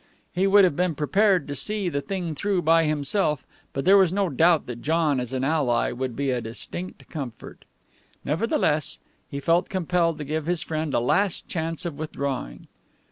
He would have been prepared to see the thing through by himself, but there was no doubt that John as an ally would be a distinct comfort. Nevertheless, he felt compelled to give his friend a last chance of withdrawing.